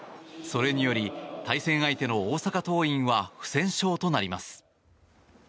それにより、対戦相手の大阪桐蔭は不戦勝となります。